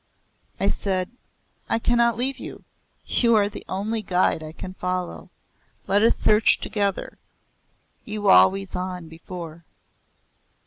I said; "I cannot leave you. You are the only guide I can follow. Let us search together you always on before."